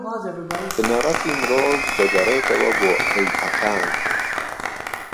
بنەڕەتی مرۆڤ دەگەڕێتەوە بۆ ئەیپەکان